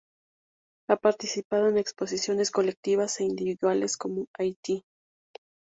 Ha participado en exposiciones colectivas e individuales como: "Haití.